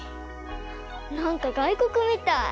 なんか外国みたい！